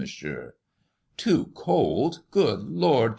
Monsieur." "Too cold I Good Lord!